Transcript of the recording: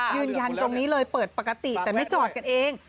ยืนยันตรงนี้เลยเปิดปกติแต่ไม่จอดกันเอง